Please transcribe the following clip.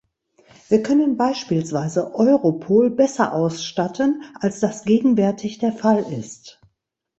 Wir können beispielsweise Europol besser ausstatten, als das gegenwärtig der Fall ist.